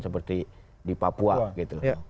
seperti di papua gitu